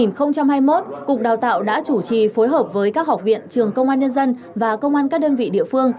năm hai nghìn hai mươi một cục đào tạo đã chủ trì phối hợp với các học viện trường công an nhân dân và công an các đơn vị địa phương